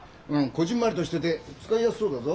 こぢんまりとしてて使いやすそうだぞ。